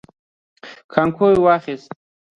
کانګو واخيست.